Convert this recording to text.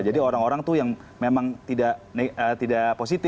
jadi orang orang tuh yang memang tidak positif gitu